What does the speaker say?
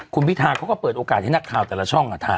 คุณพิธาเขาก็เปิดโอกาสให้นักข่าวแต่ละช่องถ่าย